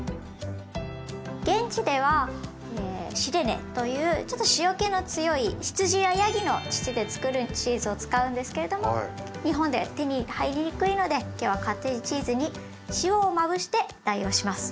現地では「シレネ」というちょっと塩けの強い羊やヤギの乳でつくるチーズを使うんですけれども日本で手に入りにくいので今日はカッテージチーズに塩をまぶして代用します。